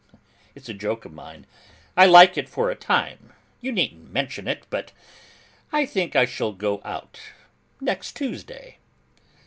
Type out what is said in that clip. It's a joke of mine. I like it for a time. You needn't mention it, but I think I shall go out next Tuesday!